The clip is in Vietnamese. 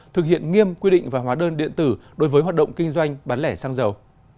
thực hiện nghiêm quy định và hóa đơn điện tử đối với hoạt động kinh doanh bán lẻ xăng dầu